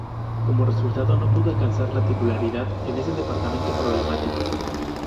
Como resultado, no pudo alcanzar la titularidad en ese departamento problemático.